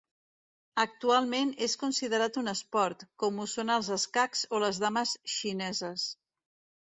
Actualment és considerat un esport, com ho són els escacs o les dames xineses.